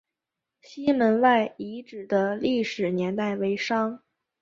西门外遗址的历史年代为商。